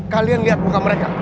kalian lihat muka mereka